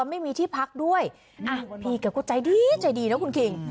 ไม่มีที่พักด้วยอ่ะพี่ก็ใจดีเนาะคุณกิ่ง